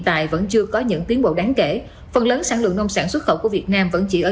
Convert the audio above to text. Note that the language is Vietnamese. tài vẫn chưa có những tiến bộ đáng kể phần lớn sản lượng nông sản xuất khẩu của việt nam vẫn chỉ ở